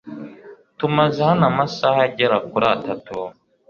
Tumaze hano amasaha agera kuri atatu